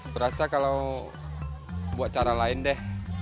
berasa kalau buat cara lain deh